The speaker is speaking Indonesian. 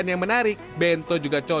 dengan tampilan lucu